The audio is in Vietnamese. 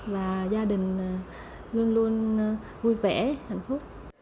và gia đình luôn luôn vui vẻ hạnh phúc